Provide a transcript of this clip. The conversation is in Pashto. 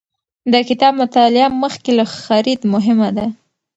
د کتاب مطالعه مخکې له خرید مهمه ده.